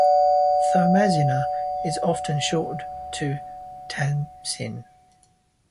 Thomasina is often shortened to Tamsin.